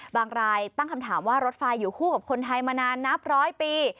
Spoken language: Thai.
รายตั้งคำถามว่ารถไฟอยู่คู่กับคนไทยมานานนับร้อยปี